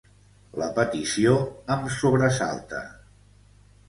La petició em sobresalta.